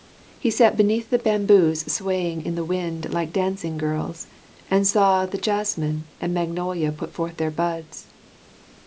He sat beneath the bamboos swaying in the wind like dancing girls, and saw the jessamine and magnolia put forth their buds.